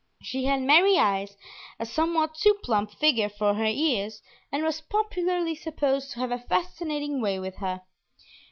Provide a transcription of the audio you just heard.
She had merry eyes, a somewhat too plump figure for her years, and was popularly supposed to have a fascinating way with her.